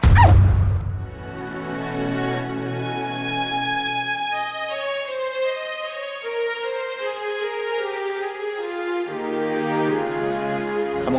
ntar ya mas